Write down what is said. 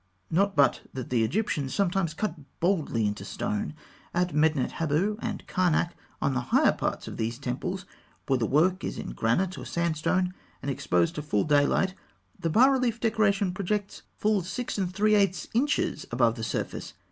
Not but that the Egyptians sometimes cut boldly into the stone. At Medinet Habû and Karnak on the higher parts of these temples, where the work is in granite or sandstone, and exposed to full daylight the bas relief decoration projects full 6 3/8 inches above the surface.